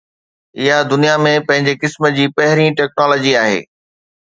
اها دنيا ۾ پنهنجي قسم جي پهرين ٽيڪنالاجي آهي.